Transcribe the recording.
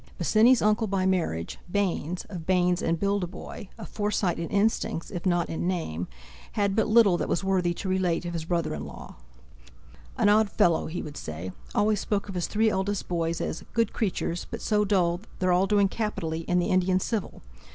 Bosinney's uncle by marriage, Baynes, of Baynes and Bildeboy, a Forsyte in instincts if not in name, had but little that was worthy to relate of his brother in law. "An odd fellow!" he would say: "always spoke of his three eldest boys as 'good creatures, but so dull'; they're all doing capitally in the Indian Civil!